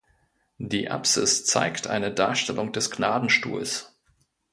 Die Apsis zeigt eine Darstellung des Gnadenstuhls.